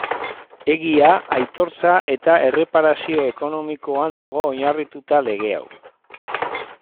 Egia, aitortza eta erreparazio ekonomikoan dago oinarrituta lege hau.